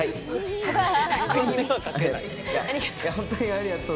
ありがとう。